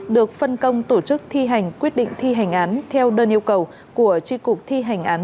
được phân công tổ chức thi hành quyết định thi hành án theo đơn yêu cầu của tri cục thi hành án